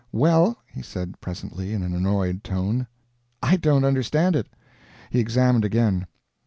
"Well!" he said presently, in an annoyed tone, "I don't understand it." He examined again.